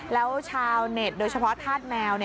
แล้วชาวเน็ตโดยเฉพาะธาตุแมว